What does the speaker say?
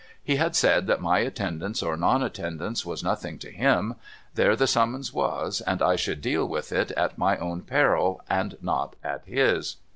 Ho had said that my attendance or non attendance was nothing to him ; there the summons was; and I should deal with it at my own peril, and not at his.